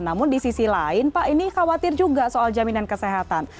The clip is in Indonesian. namun di sisi lain pak ini khawatir juga soal jaminan kesehatan